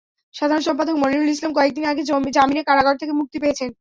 সাধারণ সম্পাদক মনিরুল ইসলাম কয়েক দিন আগে জামিনে কারাগার থেকে মুক্তি পেয়েছেন।